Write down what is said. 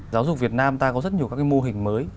chúng ta có rất nhiều cái mô hình mới